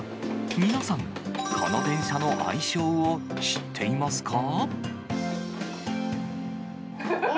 皆さん、この電車の愛称を知っていますか？